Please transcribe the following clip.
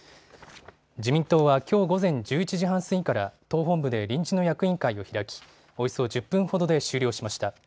自民党はきょう午前１１時半過ぎから党本部で臨時の役員会を開きおよそ１０分ほどで終了しました。